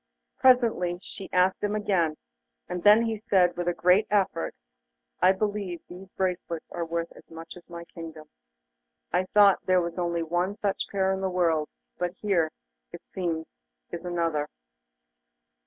Presently she asked him again, and then he said, with a great effort: 'I believe these bracelets are worth as much as my kingdom. I thought there was only one such pair in the world; but here, it seems, is another.